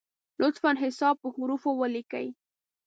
لطفا حساب په حروفو ولیکی!